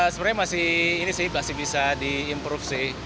sebenarnya masih ini sih masih bisa diimprovisi